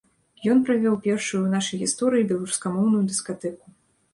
Ён правёў першую ў нашай гісторыі беларускамоўную дыскатэку.